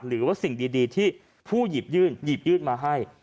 หรือว่าสิ่งดีที่ผู้หยิบยื่นหยิบยื่นมาให้